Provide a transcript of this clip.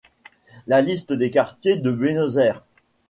La liste des quartiers de Buenos Aires.